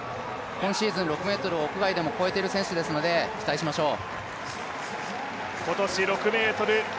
今シーズン６ｍを屋外でも越えてる選手ですので、期待しましょう。